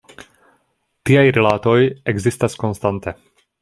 Tiaj rilatoj ekzistas konstante.